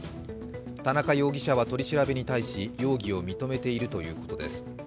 田中容疑者は取り調べに対し容疑を認めているということです。